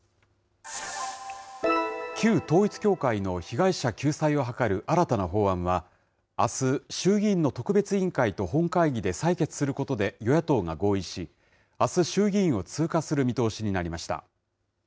旧統一教会の被害者救済を図る新たな法案は、あす、衆議院の特別委員会と本会議で採決することで与野党が合意し、あす、衆議院を通過する見通しになりました。